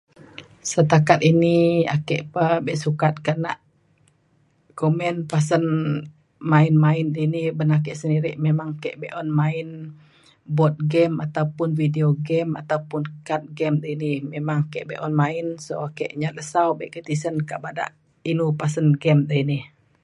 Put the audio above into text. setakat ini ake pa be sukat nak komen pasen main main dini ban ake sendiri memang be’un main board game ataupun video game ataupun card game dini memang ake be’un main so ake nyat lesau be ke tisen kak bada inu pasen game dini